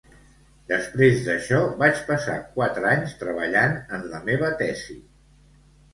Després d'això, vaig passar quatre anys treballant en la meva tesi.